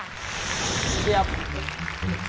เตรียม